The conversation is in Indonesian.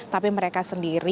tapi mereka sendiri